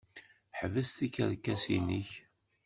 Ḥbes tikerkas-nnek!